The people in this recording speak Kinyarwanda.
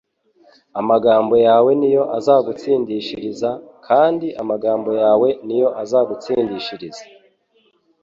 Amagambo yawe niyo azagutsindishiriza, kandi amagambo yawe niyo azagutsindisha.»